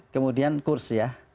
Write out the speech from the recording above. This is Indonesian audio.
kemudian kurs ya